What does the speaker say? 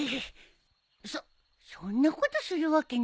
そそんなことするわけないじゃん。